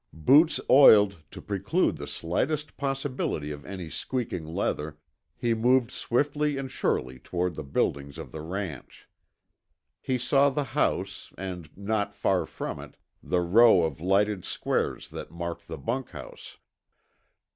Boots oiled to preclude the slightest possibility of any squeaking leather, he moved swiftly and surely toward the buildings of the ranch. He saw the house and, not far from it, the row of lighted squares that marked the bunkhouse.